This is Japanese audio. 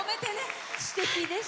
すてきです！